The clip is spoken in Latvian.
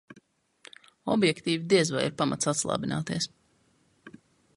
Objektīvi diez vai ir pamats atslābināties.